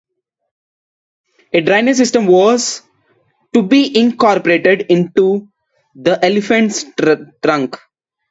A drainage system was to be incorporated into the elephant's trunk.